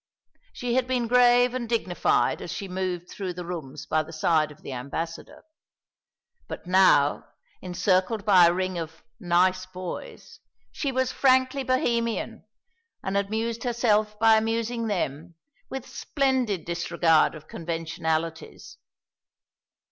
She had been grave and dignified as she moved through the rooms by the side of the Ambassador. But now, encircled by a ring of "nice boys," she was frankly Bohemian, and amused herself by amusing them, with splendid disregard of conventionalities.